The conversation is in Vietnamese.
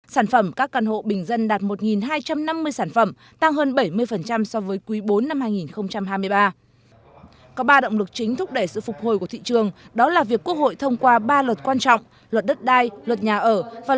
sản phẩm các căn hộ bình dân đạt một hai trăm năm mươi sản phẩm tăng hơn bảy mươi so với quý iv